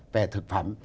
về thực phẩm